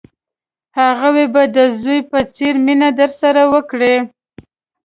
هغوی به د زوی په څېر مینه درسره وکړي.